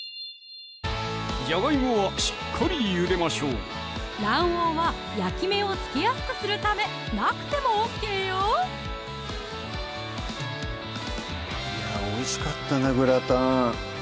じゃがいもはしっかりゆでましょう卵黄は焼き目をつけやすくするためなくてもＯＫよいやおいしかったなグラタン